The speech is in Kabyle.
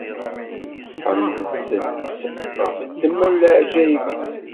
Ḥemdet- t ɣef ddemma n leɛǧayeb-is!